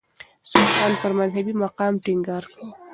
سلطان پر مذهبي مقام ټينګار کاوه.